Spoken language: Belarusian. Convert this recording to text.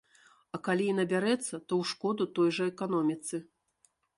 А калі і набярэцца, то ў шкоду той жа эканоміцы.